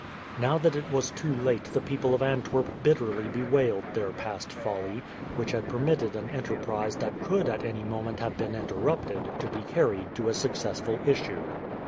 Now that it was too late the people of Antwerp bitterly bewailed their past folly, which had permitted an enterprise that could at any moment have been interrupted to be carried to a successful issue.